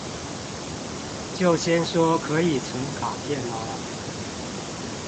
就先説可以存卡片嗎